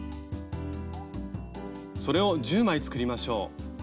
それを１０枚作りましょう。